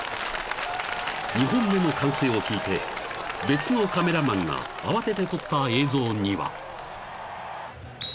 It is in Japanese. ［２本目の歓声を聞いて別のカメラマンが慌てて撮った映像には］